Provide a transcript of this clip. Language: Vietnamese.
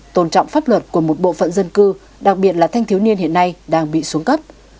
tôn trọng pháp luật của một bộ phận dân cư đặc biệt là thanh thiếu niên hiện nay đang bị xuống cấp